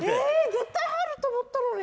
絶対入ると思ったのに。